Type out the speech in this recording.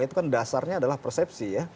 itu kan dasarnya adalah persepsi ya